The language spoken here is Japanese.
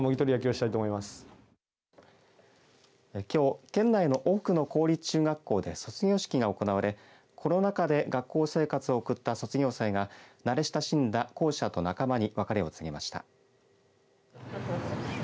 きょう県内の多くの公立中学校で卒業式が行われコロナ禍で学校生活を送った卒業生が慣れ親しんだ校舎と仲間に別れを告げました。